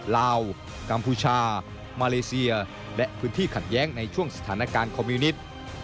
ลาวกัมพูชามาเลเซียและพื้นที่ขัดแย้งในช่วงสถานการณ์คอมมิวนิต